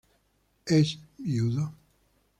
Es viudo.